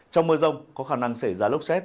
trong mưa rông có khả năng xảy ra lốc xét